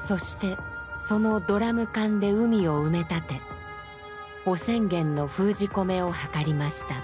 そしてそのドラム缶で海を埋め立て汚染源の封じ込めを図りました。